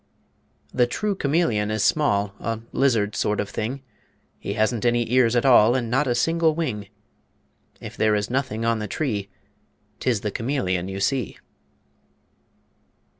The true Chameleon is small A lizard sort of thing; He hasn't any ears at all And not a single wing. If there is nothing on the tree 'Tis the Chameleon you see.